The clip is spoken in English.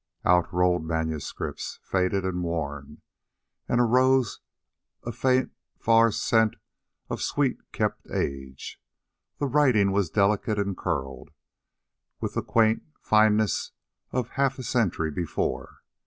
Out rolled manuscripts, faded and worn, and arose a faint far scent of sweet kept age. The writing was delicate and curled, with the quaint fineness of half a century before.